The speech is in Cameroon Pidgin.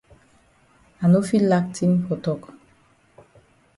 I no fit lack tin for tok.